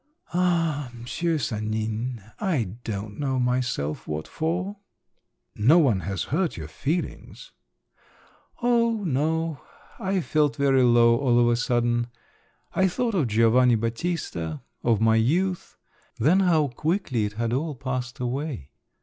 "Ah, M'sieu Sanin, I don't know myself what for!" "No one has hurt your feelings?" "Oh no!… I felt very low all of a sudden. I thought of Giovanni Battista … of my youth … Then how quickly it had all passed away.